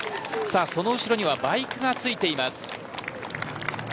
その後ろにはバイクがついています。